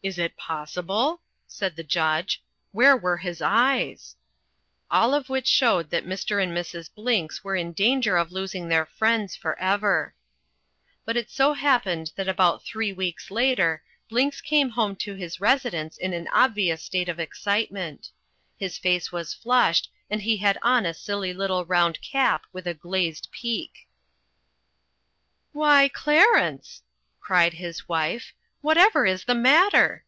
"Is it possible?" said the Judge. "Where were his eyes?" All of which showed that Mr. and Mrs. Blinks were in danger of losing their friends for ever. But it so happened that about three weeks later Blinks came home to his residence in an obvious state of excitement. His face was flushed and he had on a silly little round cap with a glazed peak. "Why, Clarence," cried his wife, "whatever is the matter?"